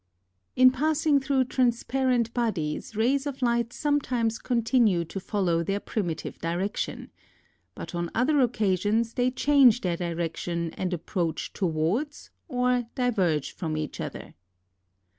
11. In passing through transparent bodies, rays of light some times continue to follow their primitive direction: but on other occasions, they change their direction, and approach towards, or diverge from each other.